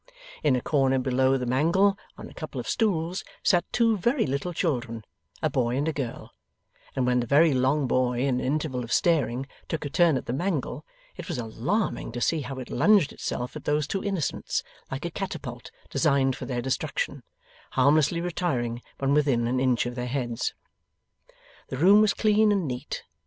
In a corner below the mangle, on a couple of stools, sat two very little children: a boy and a girl; and when the very long boy, in an interval of staring, took a turn at the mangle, it was alarming to see how it lunged itself at those two innocents, like a catapult designed for their destruction, harmlessly retiring when within an inch of their heads. The room was clean and neat.